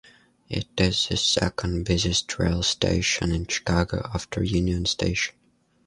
It is the second busiest rail station in Chicago, after Union Station.